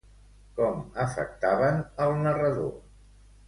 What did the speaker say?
Com afectaven el narrador?